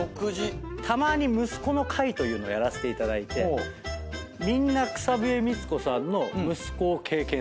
たまに息子の会というのをやらせていただいてみんな草笛光子さんの息子を経験されてる。